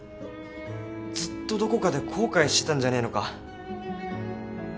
ずっとどこかで後悔してたんじゃねえのか？